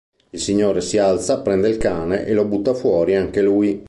Il signore si alza, prende il cane e lo butta fuori anche lui.